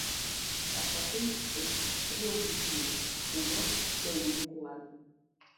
Ashakum ok kuod wiye, kendo lewni mokwal